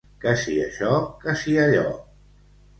Que si això, que si allò.